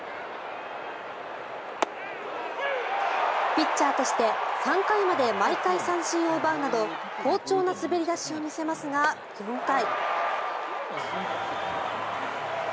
ピッチャーとして３回まで毎回三振を奪うなど好調な滑り出しを見せますが４回。